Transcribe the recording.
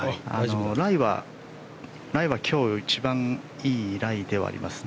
ライは今日一番いいライではあります。